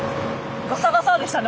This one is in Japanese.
ガサガサでしたね